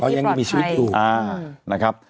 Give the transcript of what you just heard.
อยู่ในที่ปลอดภัย